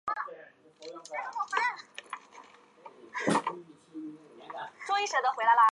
车站站场连接福州机务段厦门折返段及福州车辆段厦门客技站。